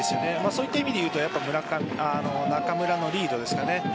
そういった意味で言うと中村のリードですかね。